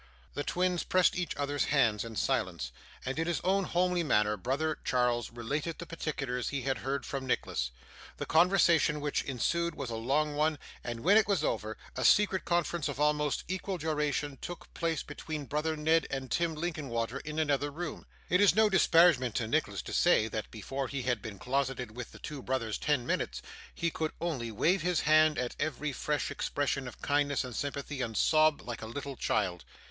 The twins pressed each other's hands in silence; and in his own homely manner, brother Charles related the particulars he had heard from Nicholas. The conversation which ensued was a long one, and when it was over, a secret conference of almost equal duration took place between brother Ned and Tim Linkinwater in another room. It is no disparagement to Nicholas to say, that before he had been closeted with the two brothers ten minutes, he could only wave his hand at every fresh expression of kindness and sympathy, and sob like a little child.